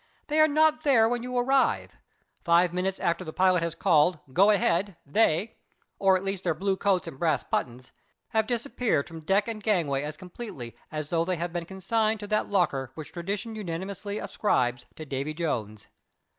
They are not there when you arrive; five minutes after the pilot has called "Go ahead!" they, or at least their blue coats and brass buttons, have disappeared from deck and gangway as completely as though they had been consigned to that locker which tradition unanimously ascribes to Davy Jones.